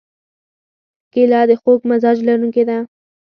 کېله د خوږ مزاج لرونکې ده.